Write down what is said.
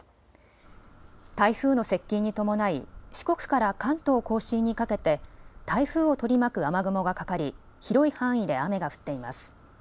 台風の接近に伴い、四国から関東甲信にかけて台風を取り巻く雨雲がかかり広い範囲で雨が降っています。